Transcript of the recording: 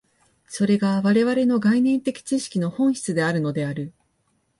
それが我々の概念的知識の本質であるのである。